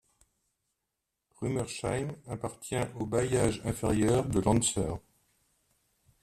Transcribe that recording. Rumersheim appartient au bailliage inférieur de Landser.